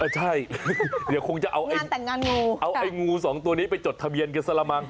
ใช่เดี๋ยวคงจะเอาไอ้งู๒ตัวนี้ไปจดทะเบียนกันซะละมั้ง